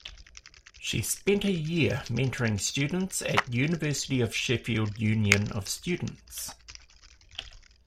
She spent a year mentoring students at University of Sheffield Union of Students.